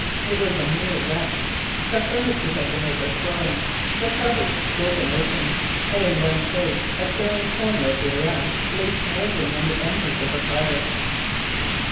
It was a mere wreck; the furniture had been overthrown, the cupboards broken open, and in one place a trailing corner of the arras lay smouldering on the embers of the fire.